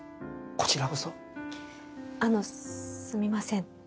こちらこそあのすみません